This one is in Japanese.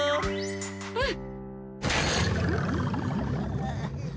うん。